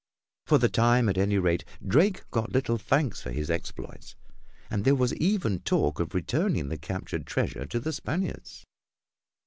For the time at any rate Drake got little thanks for his exploits and there was even talk of returning the captured treasure to the Spaniards.